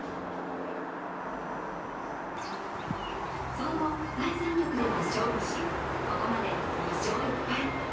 その後、第３局では勝利しここまで２勝１敗。